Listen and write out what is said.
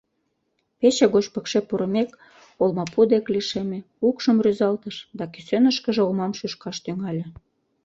Пече гоч пыкше пурымек, олмапу дек лишеме, укшым рӱзалтыш да кӱсенышкыже олмам шӱшкаш тӱҥале.